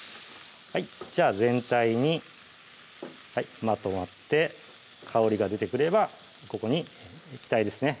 じゃあ全体にまとまって香りが出てくればここに液体ですね